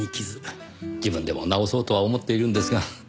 自分でも直そうとは思っているんですが。